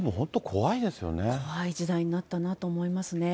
怖い時代になったなと思いますね。